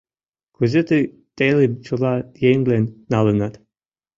Кузе тый телым чыла ыҥлен налынат?